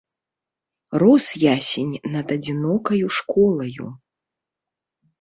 Рос ясень над адзінокаю школаю.